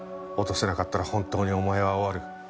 落とせなかったら本当にお前は終わる。